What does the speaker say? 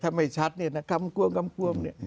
ถ้าไม่ชัดเนี่ยนะคำกว้ม